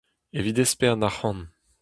Evit espern arc'hant :